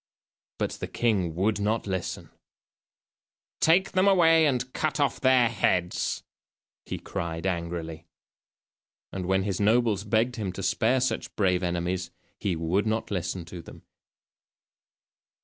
But the king would not listen. "Take them away and cut off their heads," he cried angrily. And when his nobles begged him to spare such brave enemies he would not listen to them.